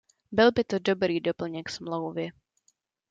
Byl by to dobrý doplněk Smlouvy.